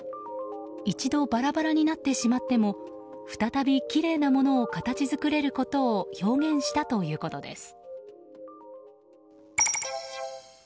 一度バラバラになってしまっても再びきれいなものを形作れることを表現したということです。